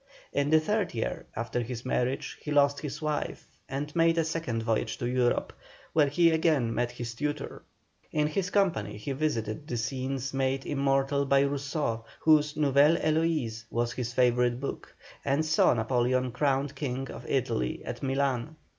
In the third year after his marriage, he lost his wife, and made a second voyage to Europe, where he again met his tutor. In his company he visited the scenes made immortal by Rousseau, whose "Nouvelle Heloïse" was his favourite book, and saw Napoleon crowned King of Italy at Milan.